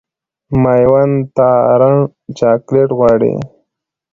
مېوند تارڼ چاکلېټ غواړي.